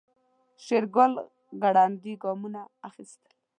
شېرګل ګړندي ګامونه اخيستل.